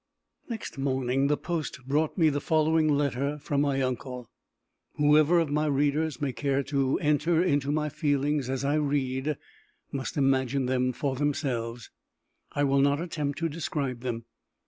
Next morning the post brought me the following letter from my uncle. Whoever of my readers may care to enter into my feelings as I read, must imagine them for herself: I will not attempt to describe them.